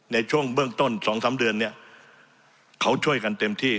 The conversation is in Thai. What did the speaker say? ในช่วงเบื้องต้น๒๓เดือนเนี่ยเขาช่วยกันเต็มที่